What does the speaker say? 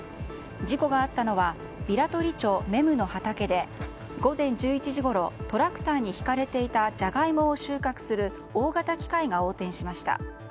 事故があったのは平取町芽生の畑で午前１１時ごろトラクターに引かれていたジャガイモを収穫する大型機械が横転しました。